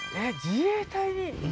自衛隊に？